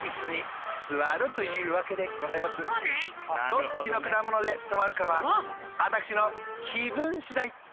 どっちのくだもので止まるかはあたくしのきぶんしだい。